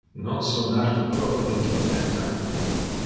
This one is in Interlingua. Non sonar tu proprie trompetta.